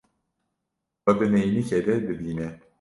Xwe di neynikê de dibîne.